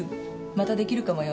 またできるかもよ。